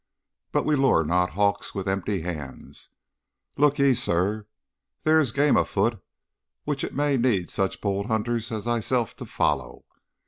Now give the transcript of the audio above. But we lure not hawks with empty hands. Look ye, sir, there is game afoot which it may need such bold hunters as thyself to follow.